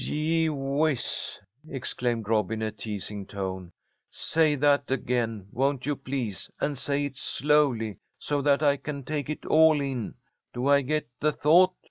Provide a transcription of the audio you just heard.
"Gee whiz!" exclaimed Rob, in a teasing tone. "Say that again, won't you please, and say it slowly, so that I can take it all in. Do I get the thought?